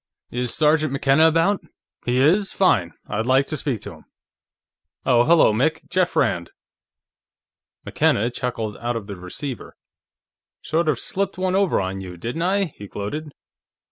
"Is Sergeant McKenna about?... He is? Fine; I'd like to speak to him.... Oh, hello, Mick; Jeff Rand." McKenna chuckled out of the receiver. "Sort of slipped one over on you, didn't I?" he gloated.